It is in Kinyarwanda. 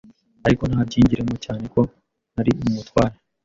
ariko ntabyinjiremo cyane ko nari um, utware